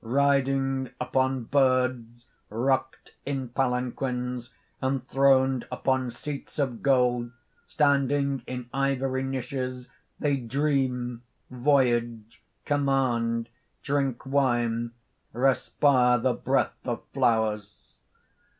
_ _Riding upon birds rocked in palanquins, enthroned upon seats of gold, standing in ivory niches, they dream, voyage, command, drink wine, respire the breath of flowers.